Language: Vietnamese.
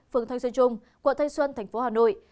phường thanh xuân trung quận thanh xuân tp hà nội